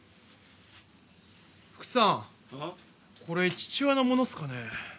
これ父親のものっすかね？